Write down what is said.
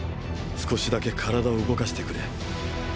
少しだけ体を動かしてくれ。